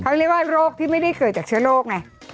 เขาเรียกว่าโรคที่ไม่ได้เกิดจากเชื้อโรคไง